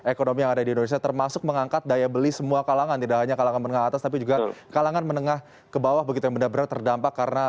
ekonomi yang ada di indonesia termasuk mengangkat daya beli semua kalangan tidak hanya kalangan menengah atas tapi juga kalangan menengah ke bawah begitu yang benar benar terdampak karena